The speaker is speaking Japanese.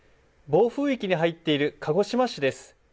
暴風域に入っている鹿児島市です。